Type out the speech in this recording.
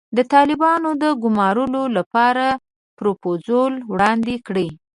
د طالبانو د ګومارلو لپاره پروفوزل وړاندې کړي.